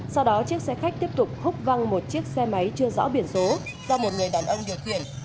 sau đó chiếc xe khách tiếp tục hút văng một chiếc xe máy chưa rõ biển số do một người đàn ông điều khiển